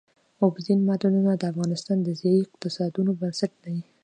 اوبزین معدنونه د افغانستان د ځایي اقتصادونو بنسټ دی.